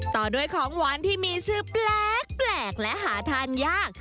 ต่อด้วยของหวานที่มีชื่อแปลกและหาทานยาก